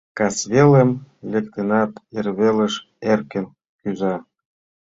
Касвелым лектынат, эрвелыш эркын кӱза.